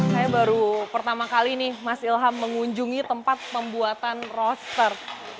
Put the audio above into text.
saya baru pertama kali nih mas ilham mengunjungi tempat pembuatan roster